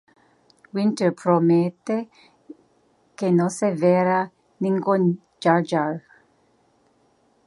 Winter promete que no se verá "ningún Jar Jar".